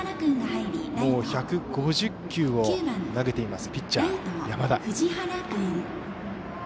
もう１５０球を投げていますピッチャー、山田。